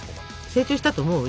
成長したと思う？